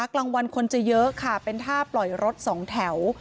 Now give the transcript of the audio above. กลางวันคนจะเยอะค่ะเป็นท่าปล่อยรถสองแถว